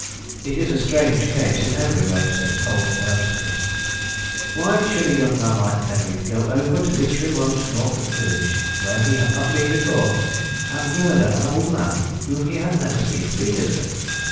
"It is a strange case in very way," said Colwyn earnestly. "Why should a young man like Penreath go over to this remote Norfolk village, where he had not been before, and murder an old man whom he had never seen previously?